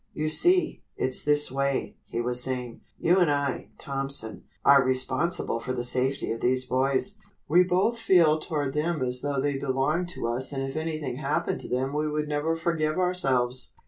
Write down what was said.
"You see, it's this way," he was saying, "you and I, Thompson, are responsible for the safety of these boys. We both feel toward them as though they belonged to us and if anything happened to them we would never forgive ourselves.